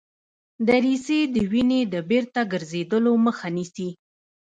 دریڅې د وینې د بیرته ګرځیدلو مخه نیسي.